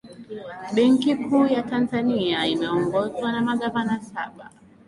benki kuu ya tanzania imeongozwa na magavana saba